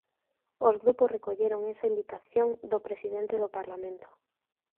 Os grupos recolleron esa invitación do presidente do Parlamento.